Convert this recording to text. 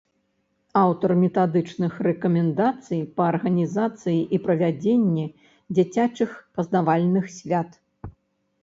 Аўтар метадычных рэкамендацый па арганізацыі і правядзенні дзіцячых пазнавальных свят.